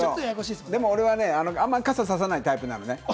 俺はあんまり傘ささないタイプなので。